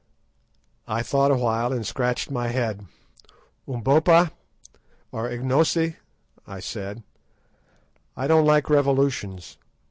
I thought awhile and scratched my head. "Umbopa, or Ignosi," I said, "I don't like revolutions.